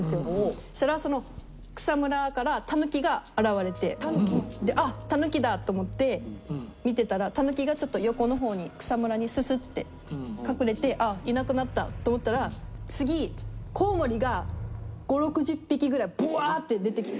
そしたらその草むらからタヌキが現れてあっタヌキだと思って見てたらタヌキがちょっと横の方に草むらにススッて隠れてあっいなくなったと思ったら次コウモリが５０６０匹ぐらいブワーって出てきて。